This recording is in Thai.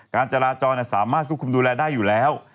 การจราจรสามารถควบคุมดูแลได้อยู่แล้ว